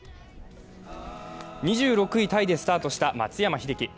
２６位タイでスタートした松山英樹。